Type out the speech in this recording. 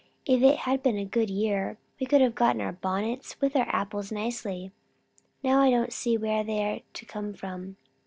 "If it had been a good year, we could have got our bonnets with our apples, nicely. Now, I don't see where they are to come from."